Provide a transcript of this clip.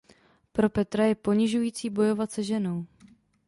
Pro Petra je ponižující bojovat se ženou.